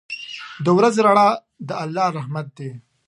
• د ورځې رڼا د الله رحمت دی.